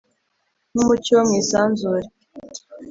Nk umucyo wo mu isanzure